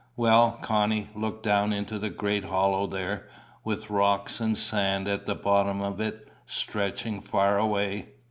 "Well, Connie, look down into the great hollow there, with rocks and sand at the bottom of it, stretching far away."